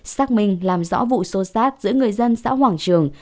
xác minh làm rõ vụ xô sát giữa người dân xã hoàng trường